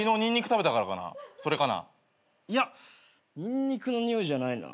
ニンニクのにおいじゃないな。